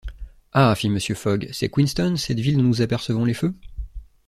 Ah! fit Mr. Fogg, c’est Queenstown, cette ville dont nous apercevons les feux?